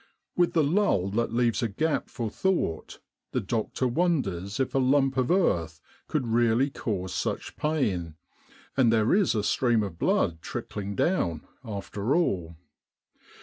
With the lull that leaves a gap for thought, the doctor wonders if a lump of earth could really cause such pain, and there is a stream of blood trickling down after all.